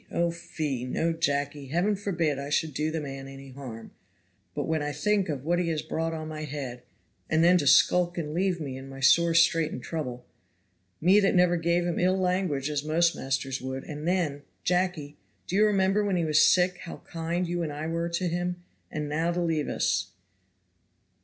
oh fie! No, Jacky, Heaven forbid I should do the man any harm; but when I think of what he has brought on my head, and then to skulk and leave me in my sore strait and trouble, me that never gave him ill language as most masters would; and then, Jacky, do you remember when he was sick how kind you and I were to him and now to leave us.